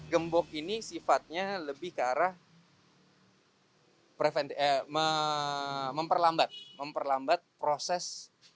gembok ini sifatnya lebih ke arah memperlambat memperlambat proses